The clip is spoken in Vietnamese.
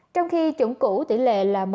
trong khi chủng cũ tỷ lệ là một